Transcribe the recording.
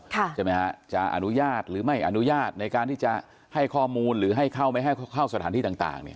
ใช่ไหมฮะจะอนุญาตหรือไม่อนุญาตในการที่จะให้ข้อมูลหรือให้เข้าไม่ให้เข้าสถานที่ต่างเนี่ย